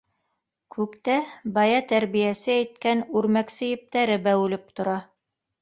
Күктә бая тәрбиәсе әйткән үрмәксе ептәре бәүелеп тора.